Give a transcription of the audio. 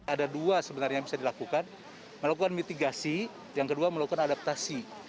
ada dua sebenarnya yang bisa dilakukan melakukan mitigasi yang kedua melakukan adaptasi